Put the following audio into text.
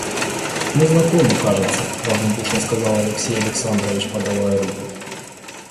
Мы знакомы, кажется, — равнодушно сказал Алексей Александрович, подавая руку.